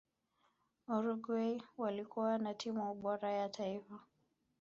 uruguay walikuwa na timu bora ya taifa